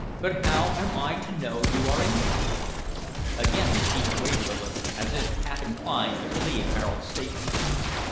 But how am I to know you are English?" Again the chief wavered a little, as if half inclined to believe Harold's statement.